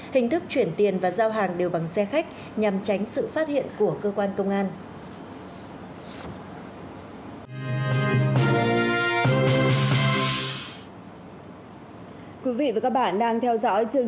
hình thức chuyển tiền và giao hàng đều bằng xe khách nhằm tránh sự phát hiện của cơ quan công an